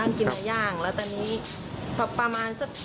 แขกจะถามมานั่งกินร้านย่าง